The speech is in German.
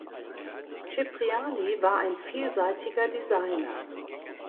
Cipriani war ein vielseitiger Designer.